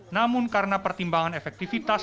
namun karena pertimbangan efektivitas